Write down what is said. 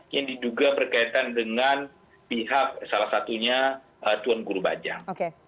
yang diduga berkaitan dengan pihak salah satunya tuan guru bajang